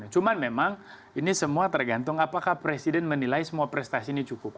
cuma memang ini semua tergantung apakah presiden menilai semua prestasi ini cukup